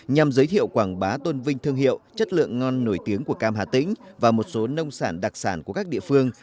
nhằm giới thiệu quảng bá tôn vinh thương hiệu chất lượng ngon nổi tiếng của cam hà tĩnh và một số nông sản đặc sản của các địa phương